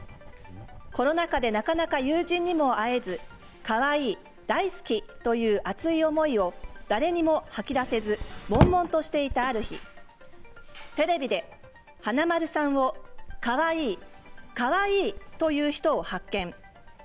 コロナ禍でなかなか友人にも会えずかわいい、大好きという熱い思いを誰にも吐き出せずもんもんとしていたある日テレビで華丸さんをかわいい、かわいいと言う人を発見。